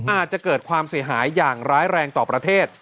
อาจจะเกิดความเสียหายอย่างร้ายแรงต่อประเทศ